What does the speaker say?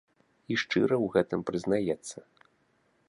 І шчыра ў гэтым прызнаецца.